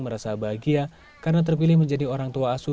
merasa bahagia karena terpilih menjadi orang tua asuh